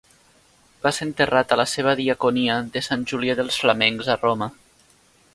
Va ser enterrat a la seva diaconia de Sant Julià dels Flamencs a Roma.